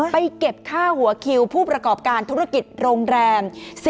เก็บค่าหัวคิวผู้ประกอบการธุรกิจโรงแรม